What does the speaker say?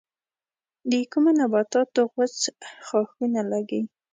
د کومو نباتاتو غوڅ ښاخونه لگي؟